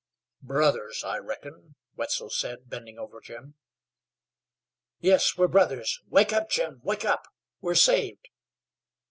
"Brothers, I reckon?" Wetzel said, bending over Jim. "Yes, we're brothers. Wake up, Jim, wake up! We're saved!"